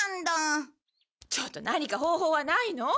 ちょっと何か方法はないの？